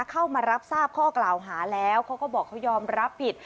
เข้ามารับทราบข้อกล่าวหาแล้วเขาก็บอกเขายอมรับผิด